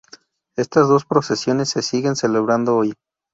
Estas dos procesiones se siguen celebrando hoy.